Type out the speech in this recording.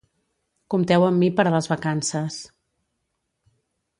Compteu amb mi per a les vacances.